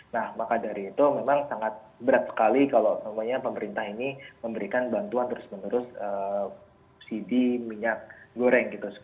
nah maka dari itu memang sangat berat sekali kalau pemerintah ini memberikan bantuan terus menerus subsidi minyak goreng gitu